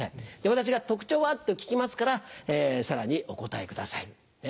私が「特徴は？」と聞きますからさらにお答えください。